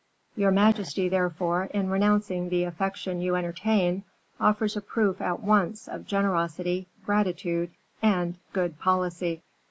Your majesty, therefore, in renouncing the affection you entertain, offers a proof at once of generosity, gratitude, and good policy."